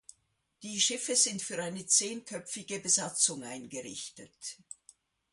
Die Schiffe sind für eine zehnköpfige Besatzung eingerichtet.